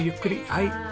はい。